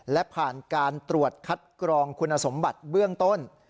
และผ่านการตรวจคัดกรองคุณสมบัติเบื้องต้น